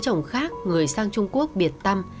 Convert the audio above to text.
chồng khác người sang trung quốc biệt tâm